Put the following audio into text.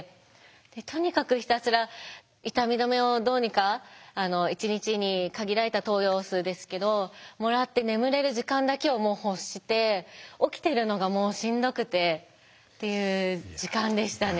とにかくひたすら痛み止めをどうにか１日に限られた投与数ですけどもらって眠れる時間だけを欲して起きてるのがもうしんどくてっていう時間でしたね。